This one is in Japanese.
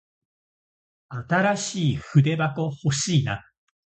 新しい筆箱欲しいな。